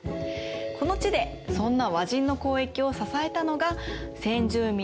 この地でそんな和人の交易を支えたのが先住民のアイヌでした。